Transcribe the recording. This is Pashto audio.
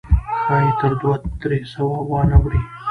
ښایي تر دوه درې سوه وانه وړي.